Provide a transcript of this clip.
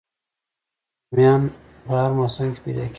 رومیان هر موسم کې پیدا کېږي